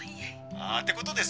あってことでさ